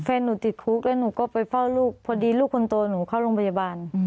แฟนหนูติดคุกแล้วหนูก็ไปเฝ้าลูกพอดีลูกคนโตหนูเข้าโรงพยาบาล